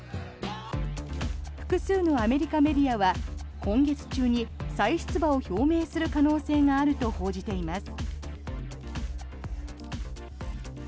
複数のアメリカメディアは今月中に再出馬を表明する可能性があると報じています。